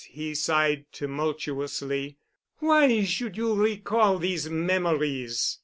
"—he sighed tumultuously—"Why should you recall—these memories?"